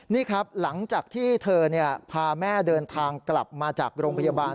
นี่ครับหลังจากที่เธอพาแม่เดินทางกลับมาจากโรงพยาบาล